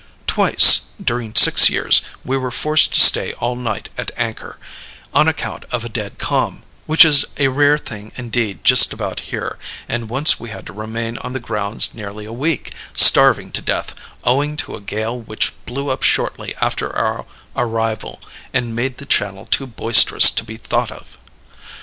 Twice, during six years, we were forced to stay all night at anchor, on account of a dead calm, which is a rare thing indeed just about here; and once we had to remain on the grounds nearly a week, starving to death, owing to a gale which blew up shortly after our arrival, and made the channel too boisterous to be thought of.